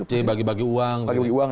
jadi bagi bagi uang